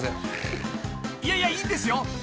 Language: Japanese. ［いやいやいいんですよ］